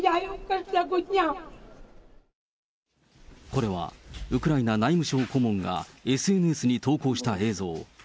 これはウクライナ内務相顧問が、ＳＮＳに投稿した映像。